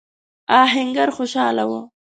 آهنګر خوشاله و.